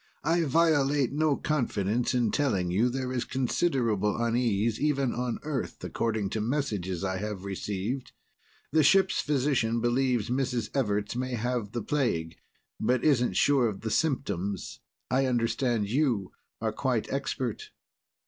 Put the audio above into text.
I violate no confidence in telling you there is considerable unease, even on Earth, according to messages I have received. The ship physician believes Mrs. Everts may have the plague, but isn't sure of the symptoms. I understand you are quite expert."